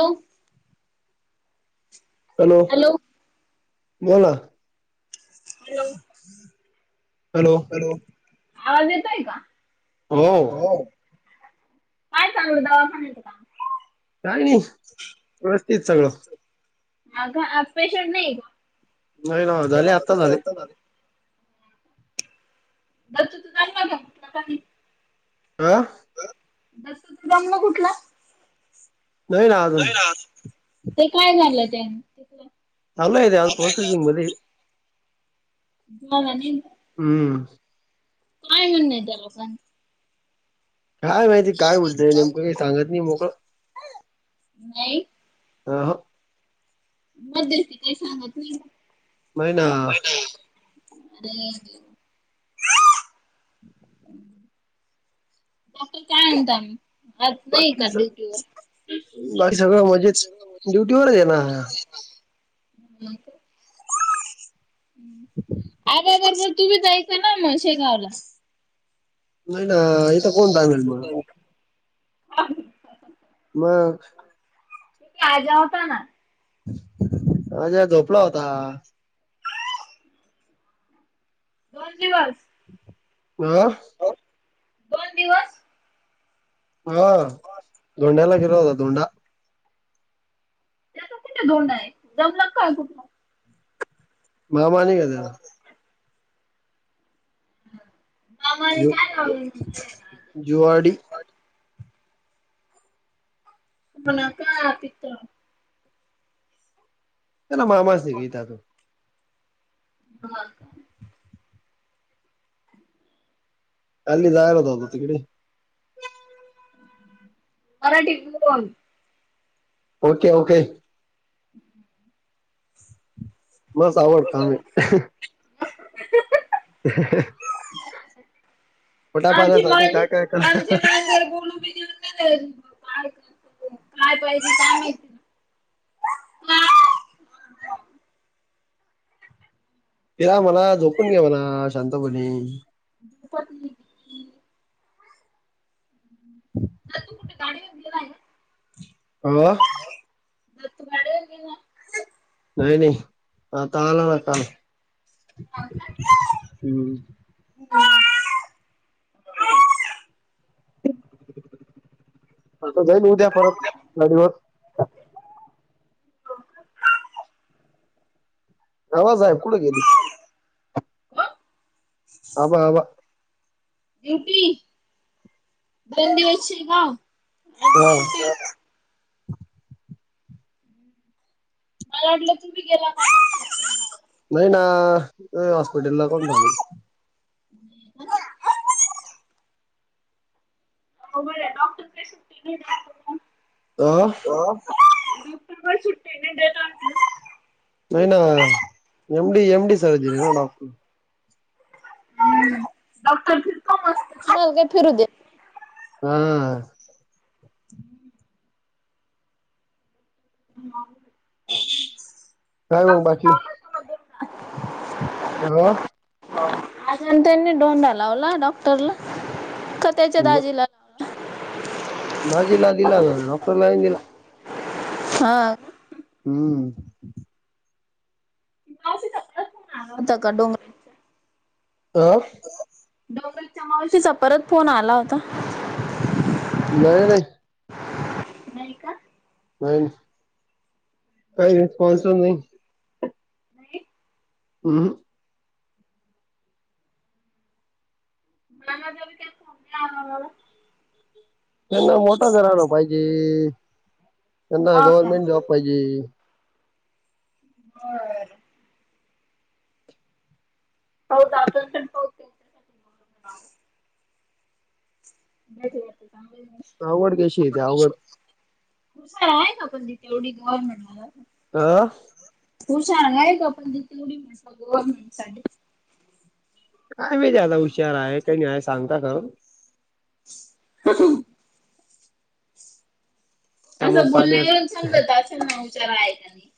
हो. हॅलो बोला हॅलो आवाज येतय का? हो. काय चालू दवाखान्यात आहे का? काय नाही व्यवस्थित सगळं. हा का आज पेशंट नाही का? नाही ना झाले आता झाले. ब त जा [unintelligible] हा. बसत तर गमला कुठला [inaudible] नाही ना आजून ते काय झालं त्या तिथलं चालू आहे अ झाला प्रोसेसिंग मध्ये झालं नाही ना? हम्म. काय म्हणण त्याला सांग काय माहिती काय बोलत काय? नेमकं काही सांगत नाही मोकळ नाही. अ ह मध्यस्ती काय सांगत नाही? नाही ना. हम्म. डॉक्टर काय म्हणता आज नाही का बाकी स डयुटीवर? बाकी सगळं मजेत ड्युटीवर आहे ना आर तुम्ही जायचं ना मग शेगावला. नाही ना इथं कोण थांबेल मग. [unintelligible] मग. त आजा होता ना. आज्या झोपळा होता. दोन दिवस. आ! दोन दिवस. हा धोंड्याला गेला होता धोंडा. त्याचा कुठे धोंडा आहे जमला काय कुठला. मामा नाही का त्याचा. मामाने जीव काय लावले. जीवाडी [unintelligible] त्याला मामास गीता. हा काल निघायचा होता तिकडे. मराठी प ओके ओके. बस आवड कामे. ह आमची मा आमची मार गोलूीऊ. काय करत काय पाहिजे काय सांगायचं ना. हा. तेला मला झोपून घ्या म्हणा शांतपणे. [unintelligible] ना तू कुठे गाडीवरलेला आहे. हो. दत बढ होे ना. नाही नाही. ह काला म काल हाव का? हम्. [unintelligible] त जाईल उद्या परत नदीवर. आबा साहेब कुठे गेले. कोण? आबा आबा ड्युटी दोन दिवसचे ना. हा मला वाटलं तुम्ही गेला ना. नाही ना हॉस्पिटल ला कोण जा [unintelligible] हो बर डॉक्टर का [inaudible] अ? डॉक्टर सुु्टी घेतात आप नाही ना एमडी एमडी सर्जरी आहे डॉक्टर. का फिरू दे. हा [unintelligible] डॉ काय मग [unintelligible] हा आ त्यांनी धोंडा लावला डॉक्टरला का त्याच्या दाजीला. बाजीला हि दिला, डॉक्टर ला दिला हा. हं! जाता का डोंगरावर आह् डोगाच्या मावशीचा परत फोन आला होता. नाहीय नाही. नाही का? नाही... काही रिस्पॉन्सच नाही. नाही. अह् म मग का सम्या आणणारे? त्यांना मोठा घराणं पाहिजे, त्यांना आपण गव्हर्नमेंटमधुन जॉब पाहिजे. होय. होत जातेल ते पण, आपल नाव नाही का मग आवड कशी येतीे आवड? खुश आहे ना पण तिथे तेवढी गव्हर्नमेंटमधुन आं हुशार आहे का? पण त तेवढी म्हटलं गव्हर्मेंट साठी काय मी ज्यादा हुशार आहे का नाहीय सांगता का? हाहं त्या मग असं पाण्यात बोलण्यावरून छान बोलता सांगलंतचं ना विचारा आहे का नाही?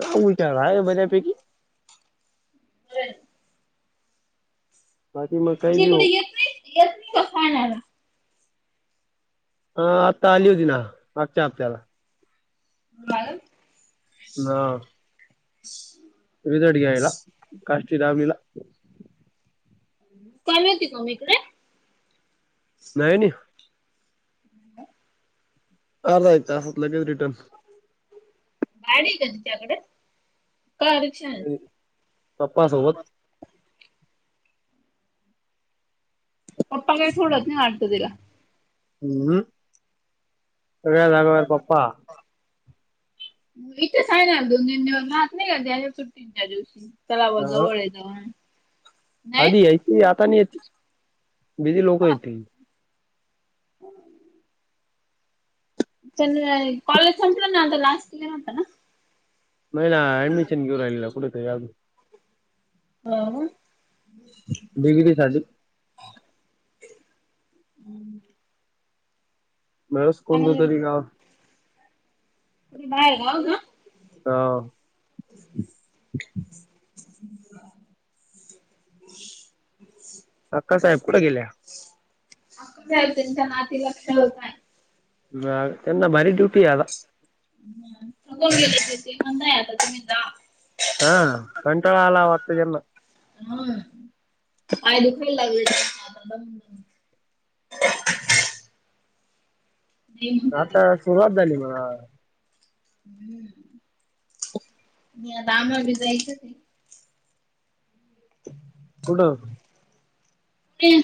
ह हाय बर्‍यापैकी बराय बाकी मग काही बी तिकडे हो येत नाही. येत नाही का खाण्याला? हा आत्ता आली होती मागच्या हप्ताला हा होय. ना. स्म रिझल्ट घ्यायला का ती दहावीला. काय माहीत होती काम आहे. का इकडे नाही. काय? अर्ध एक तासात लगेच रिटर्न गाडी का तिच्याकडे? का रिक्षान? पप्पा सोबत पप्पा काही सोडत नाही वाटत तुला? हं सगळ्या जागेवर पप्पा इथंच आहे ना दोन तीन दिवस राहत नाही का सुट्टीच्या दिवशी तलाव हा. जवळ आहे जावून आधी यायची आता नाही येत. बिजी लोक येत ती. हं! त्यान कॉलेज संंपल ना आता लास्ट ईअर होत ना महिला अडमिशन घेऊन राहिल्या कुठंय तर आजुन हअं डिग्री साठीच हं! मळअस कोणत्या तरी गावात बाहेर आवका? ह. अक्का साहेब कुठे गेल्या? आक्का साहेब त्यांच्या नातीला खेळवत आहेत. ह त्यांना भारी ड्युटी आला. थकून गेले. ते म्हणताय आता तुम्ही जा. हा कंटाळा आला वात त्यांना? हम्म पाय दुखायला आता म्हण [unintelligible] आता सुरुवात नाही झाली म्हणा म्हतार हम्. द आम्हाला बी जायचत कुठं? हम.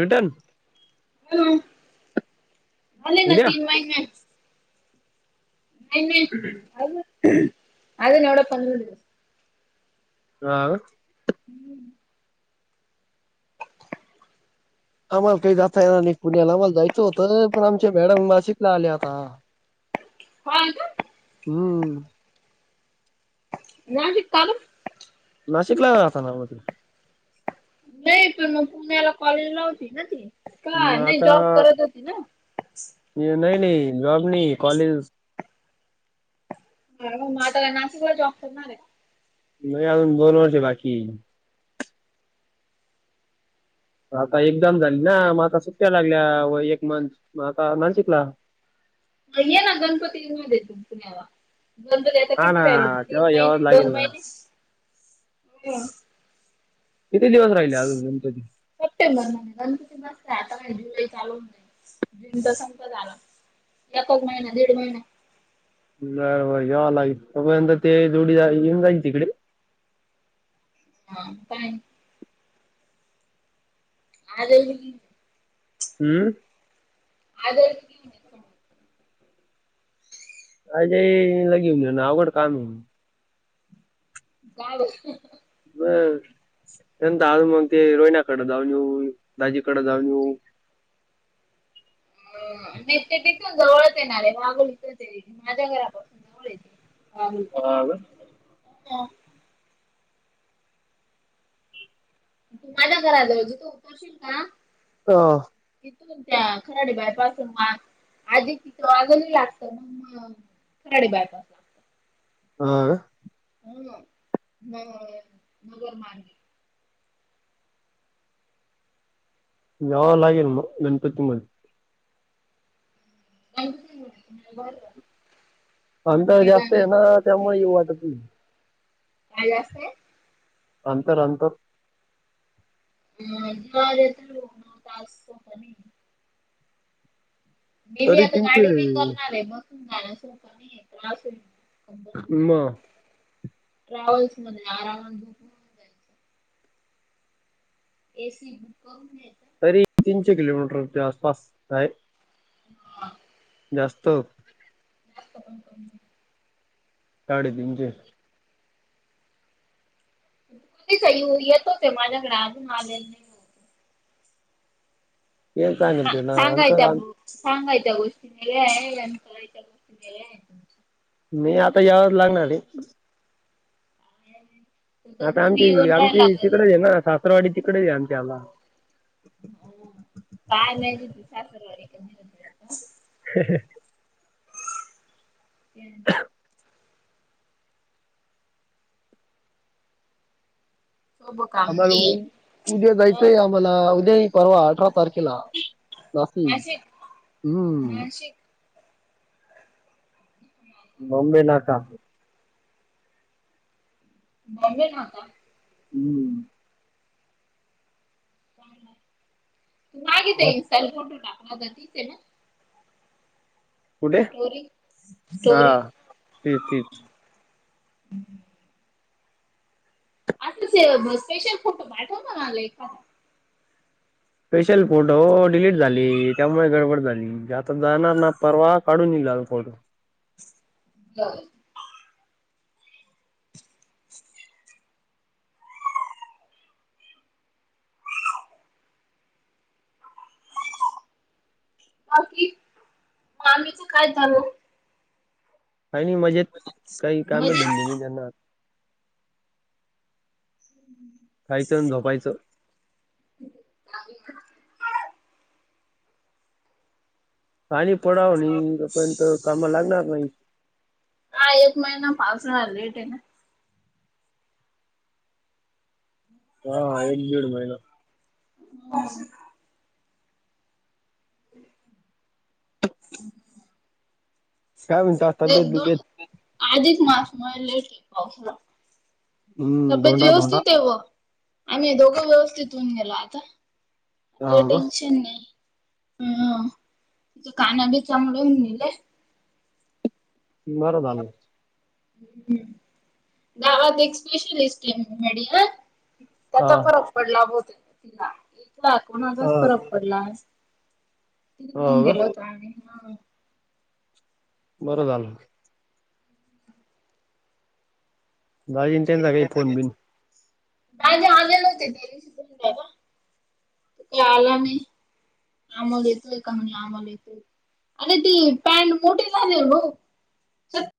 रिटन? हम. झाले ना उद्या तीन महिने. काय नाही, अजुन एवढ पण हा का? हम्म. [unintelligible] आम्हाला काही जाता येणार नाही पुण्याला. आम्हाला जायचं होतं पण आमचे मॅडम नाशिकला आले आता. हो का? हम. नाशिक चालूच नाशिकला राहता का मग. नाही पण, मग पुण्याला कॉलेज ला होती ना ती? का मग नाही, आता जॉब करत होती ना? हे नाही नाही, जॉब नाही कॉलेजच. मग आता नाशिकला जॉब करणार आहे? म अजून दोन वर्ष बाकीय. आता एक्झाम झाली ना? मग आता सुट्ट्या लागल्या व एक मंच मग आता नाशिकला. ये ना गणपतीमध्येे तु पुण्याला. गणपती यायला आता हा किती राहिले. ना तीन तेव्हा यावंच महिने लागेल दोन ना महिने? किती दिवस राहिले अजून तुमचे सप्टेंबर महिन्यात आता ना जुलै चालुहुन गेला. जुन त संपत आला. एकच महिना दीड महिना. बरं-बर याव लागेल तोपर्यंत ते जोडी येऊन जायल तिकडे. हा पाय. आ ज [unintelligible] म्म? आज्याला घेऊन ये. आजय ला घेऊन जाणं, आवगड काम. जाव [unintelligible] बरं. नंतर मग ते रोहिन्या कडे जाऊन येऊ. दाजीकडे जाऊन येऊ. अ नाही ते तिथून जवळच येणारे. वागलीथ माझ्या घरापासून जवळ येत. हा ग? हो. माझ्या घराजवल तू उतरशील का? हो. तिथूनन त्या खराडी बायपास पासून, आधी तिथं वाद्योली लागत मग म खराडीबयपास लागत. आा हो मगर मा याव लागेल मग गणपती पुळे नाही ब अंतर जास्त आहे ना त्यामुळे येउ वाटत नाही कायलास अंतर अंतर ह य तर न असनी मी बी तरी आता गाडी तीनशे बि करणार आहे बसून जा सोप नाही त्रास मग ट्रॅव्हल्स मध्ये आरामा तुन जा एसी क तरी तीनशे किलोमीटरच्या आसपास आहे ह जास्त ण कर साडेतीीनशे ु येत होते माझ्याकडे अजून आलेले नाहीत हे सांगितले ना सांगायत अंतर अ् चांगायत गोष्टीने आहे आणि कलाच्या गोष्टीने आहे तुमच्या मी आता यावर लागणार आहे ह् आता आमची आमची तिकडेच आहे ना सासर वाडी तिकडेच आहे आमच्या आला ह काय नाही त सासरवाडी क ह ह सोपं काम आम्हाला नाहीये उद्या जायचंय आम्हाला उद्या परवा अठरा तारखेला जाशीी नाशिक हम्म नाशिक बॉम्बे ना का बॉम्बे खता हम्म तू माग बस इन्स्टा ला फोटो टाकला तर तच आहे ना कुठे स्टोरी हा स्टोरी तेच तच हम्म अस स्पेशल फोटो पाठव आला एखादा स्पेशल फोटो डिलीट झाली त्यामुळे गडबड झाली आता जाणार ना परवा काढून निलाल फोटो हो बाकी मामी च काय लू आणि मजेत काही काम धंदे मजेत? नाही त्यांना खायचं आणि झोपायचं तट पाणी पडाव नाही तोपर्यंत कामा लागणार नाही हा एक महिना पाव सा ळा लेट आहे ना हा एक दीड महिना ब हम् काय म्हणतात तब्येत दो बिब्येत आधच मास म लेट पावस हम्म तब्बेत धोंडा धोंडा व्यवस्थित आहे व आम्ही दोघं व्यवस्थित होऊन गेलो आता हा अ ग टेनशन नाही हम तथ काना बिचामुळे होऊन नल बर झाले. ह् दावाात एक स्पेशलिस्ट आहेडया. हा त्याचा फरक पडला भोतेक तिला कोणाचाच अ म्हणाचाच फरक पडला आहे. तिथ हो घेऊन ग गेल होताही. बरं झालं. दाजींचा तेचा काही फोन बिन. े आलेलते दिली त का आला नाही. आम्हाला येतोय कणी आम्हाला येते आणि ती पॅन्ट मोठी झाल्या भाऊ. [inaudible]